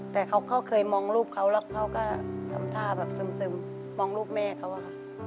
แต่เขาก็เคยมองรูปเขาแล้วเขาก็ทำท่าแบบซึมมองรูปแม่เขาอะค่ะ